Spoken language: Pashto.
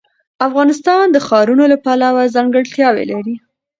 افغانستان د ښارونو له پلوه ځانګړتیاوې لري.